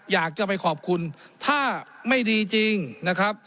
อยากจะไปขอบคุณถ้าไม่ดีจริงนะครับ